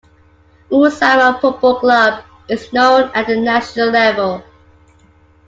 Usama Football Club is known at the national level.